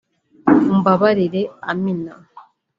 “Umbabarire Amina